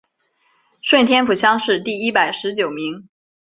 顺天府乡试第一百十九名。